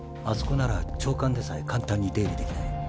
あそこなら長官でさえ簡単に出入りできない